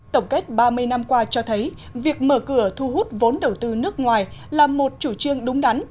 tổng kết ba mươi năm qua cho thấy việc mở cửa thu hút vốn đầu tư nước ngoài là một chủ trương đúng đắn